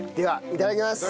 いただきます。